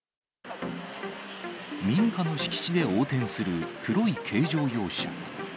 民家の敷地で横転する黒い軽乗用車。